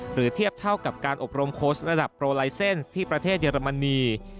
เทียบเท่ากับการอบรมโค้ชระดับโปรไลเซ็นต์ที่ประเทศเยอรมนี